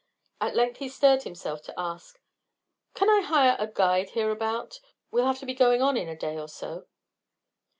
At length he stirred himself to ask: "Can I hire a guide hereabout? We'll have to be going on in a day or so."